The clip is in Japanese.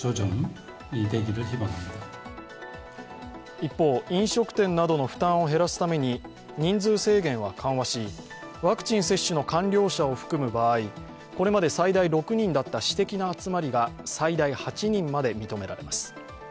一方、飲食店などの負担を減らすために人数制限は緩和し、ワクチン接種の完了者を含む場合、これまで最大６人だった私的な集まりのが最大８人まで認められます。